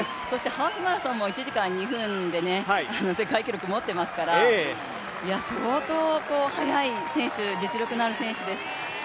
ハーフマラソンも１時間２分で世界記録持ってますから相当速い選手、実力のある選手です。